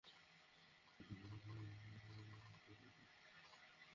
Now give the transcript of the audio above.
তবে ঐতিহ্যহীন সেই থাইল্যান্ডের সঙ্গে জিততেই পরশু জেরবার হতে হয়েছে অদম্য সিংহদের।